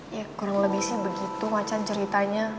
ya kurang lebih sih begitu macan ceritanya